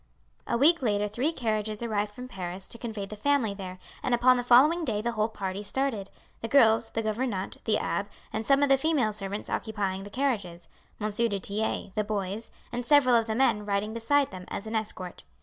A week later three carriages arrived from Paris to convey the family there; and upon the following day the whole party started; the girls, the gouvernante, the abbe, and some of the female servants occupying the carriages, Monsieur du Tillet, the boys, and several of the men riding beside them as an escort.